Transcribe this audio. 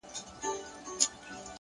صبر د وخت له ازموینې ځواک جوړوي!.